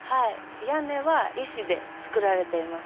屋根は石で作られています。